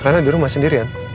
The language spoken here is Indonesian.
rena di rumah sendirian